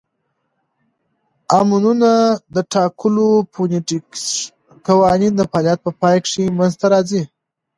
امونونه د ټاکلو فونیټیکښي قوانینو د فعالیت په پای کښي منځ ته راځي.